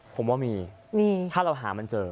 ผมว่ามีถ้าเราหามันเจอ